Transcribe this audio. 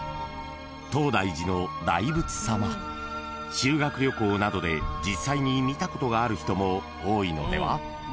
［修学旅行などで実際に見たことがある人も多いのでは？］